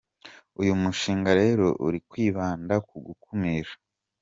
Uyu mushinga rero uri kwibanda ku gukumira.